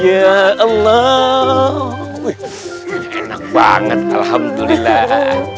ya allah enak banget alhamdulillah